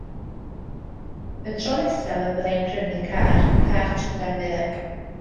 Y tro nesaf y bydda i'n prynu car, car trydan fydd e.